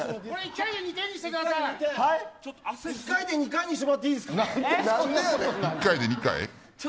１回で２回にしてもらっていいですか。